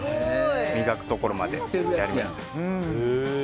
磨くところまでやりました。